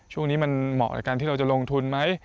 ช่วงนี้มันเหมาะกับการที่เราจะลงทุนไหม